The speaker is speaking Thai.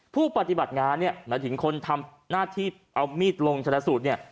ผู้ปฏิบัติงานเนี่ยหมายถึงคนทำหน้าที่เอามีดลงชนะสูตรเนี่ย